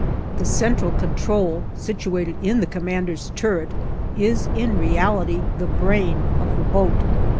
The central control, situated in the commander's turret, is in reality the brain of the boat.